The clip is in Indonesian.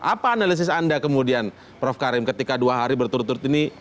apa analisis anda kemudian prof karim ketika dua hari berturut turut ini